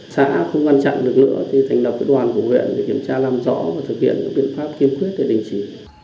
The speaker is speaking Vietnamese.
xã không quan trọng được nữa thì thành lập cái đoàn của huyện để kiểm tra làm rõ và thực hiện các biện pháp kiêm quyết để đình chỉ